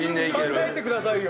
考えてくださいよ。